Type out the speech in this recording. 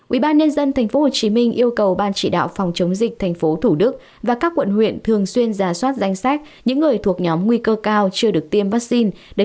ubnd tp hcm yêu cầu ban chỉ đạo phòng chống dịch tp thủ đức và các quận huyện thường xuyên giả soát danh sách những người thuộc nhóm nguy cơ cao chưa được tiêm vaccine